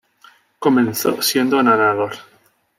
Comenzó siendo nadador.